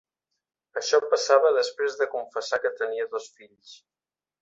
Això passava després de confessar que tenia dos fills.